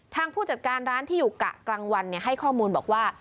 ผู้จัดการร้านที่อยู่กะกลางวันให้ข้อมูลบอกว่า